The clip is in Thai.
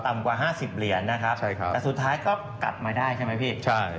กว่าห้าสิบเหรียญนะครับใช่ครับแต่สุดท้ายก็กลับมาได้ใช่ไหมพี่ใช่